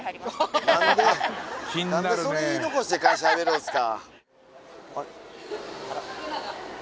何でそれ言い残して会社辞めるんすか。